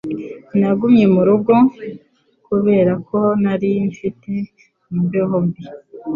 Nagumye mu rugo kubera ko nari mfite imbeho mbi.